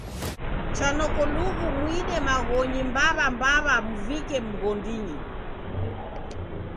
Cha noko lughu muide maghonyi mbaw'a-mba'wa muvike mghondinyi.